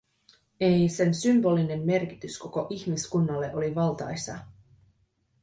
Ei, sen symbolinen merkitys koko ihmiskunnalle oli valtaisa.